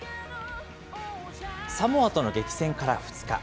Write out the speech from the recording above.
サモアとの激戦から２日。